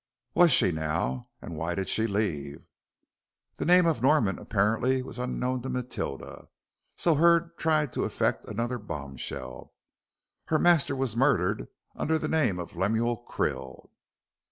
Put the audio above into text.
"Was she, now? And why did she leave?" The name of Norman apparently was unknown to Matilda, so Hurd tried the effect of another bombshell. "Her master was murdered under the name of Lemuel Krill."